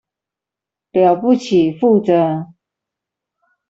了不起，負責